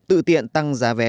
tự tiện tăng giá vé